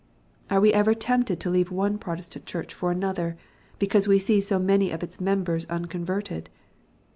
Are we ever tempted to leave one Protestant Church for another, because we see many of its members uncon verted